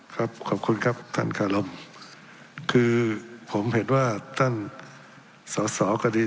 ครับขอบคุณครับท่านคารมคือผมเห็นว่าท่านสอสอก็ดี